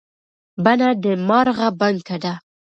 بڼه د مارغه بڼکه ده.